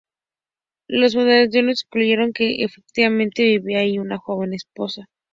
Los funcionarios concluyeron que efectivamente vivía allí con su joven esposa.